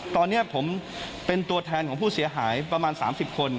ตอนนี้ผมเป็นตัวแทนของผู้เสียหายประมาณ๓๐คน